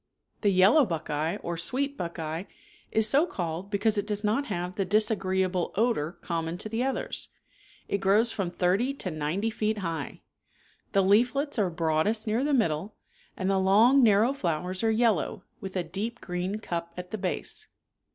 The yellow buckeye or sweet buckeye is so called be cause it does not have the disagreeable odor common to the others. It grows from thirty to ninety feet high. lo. Sweet Buckeye. a. Leaf; 6. Flower; c. Burs; d. Nut. 46 The leaflets are broadest near the middle, and the long, narrow flowers are yellow, with a deep green cup at the base.